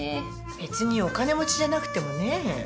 別にお金持ちじゃなくてもねぇ。